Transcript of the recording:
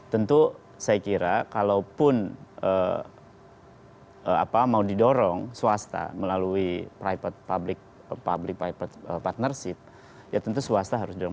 tentu saya kira kalaupun mau didorong swasta melalui private public partnership ya tentu swasta harus didorong